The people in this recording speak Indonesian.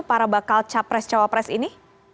para bakal capres jawa pres ini